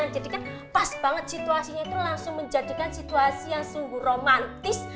jadi kan pas banget situasinya itu langsung menjadikan situasi yang sungguh romantis